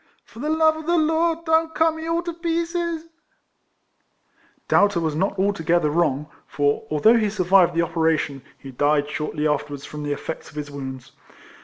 For the love of the Lord don't cut me all to pieces !" Doubter was not altogether wrong; for, although he survived the operation, he died shortly afterwards from the effects of his wounds.